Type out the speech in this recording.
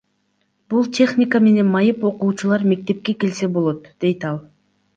Бул техника менен майып окуучулар мектепке келсе болот, дейт ал.